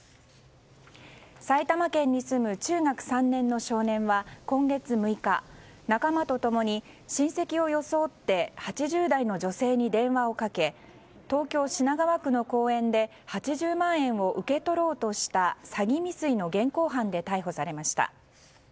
埼玉県に住む中学３年の少年は今月６日、仲間と共に親戚を装って８０代の女性に電話をかけ東京・品川区の公園で８０万円を受け取ろうとした詐欺未遂の現行犯で逮捕されました。